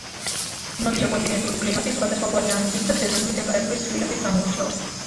ნოტიო კონტინენტური კლიმატი სხვადასხვაგვარი ამინდით და სეზონური ტემპერატურის ცვლილებით გამოირჩევა.